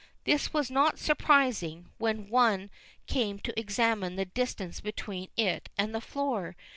This was not surprising when one came to examine the distance between it and the floor.